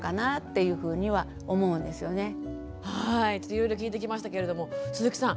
いろいろ聞いてきましたけれども鈴木さん